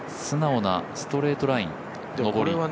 素直なストレートライン、残り。